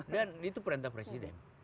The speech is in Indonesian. dan itu perintah presiden